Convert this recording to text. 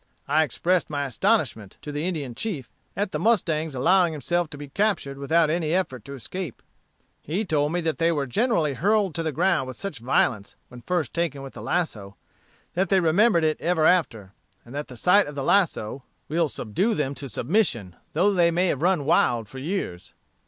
I expressed my astonishment, to the Indian chief, at the mustang's allowing himself to be captured without any effort to escape. He told me that they were generally hurled to the ground with such violence, when first taken with the lasso, that they remembered it ever after; and that the sight of the lasso will subdue them to submission, though they may have run wild for years."